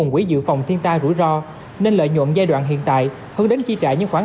quỹ dự phòng thiên tai rủi ro nên lợi nhuận giai đoạn hiện tại hơn đến chi trả những khoản